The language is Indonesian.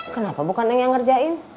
kenapa bukan neng yang ngerjain